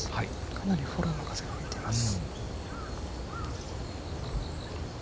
かなりフォローの風が吹いています。